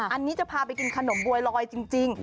อันนี้จะพาไปกินขนมบัวลอยจริง